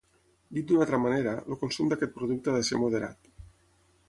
Dit d'una altra manera, el consum d'aquest producte ha de ser moderat.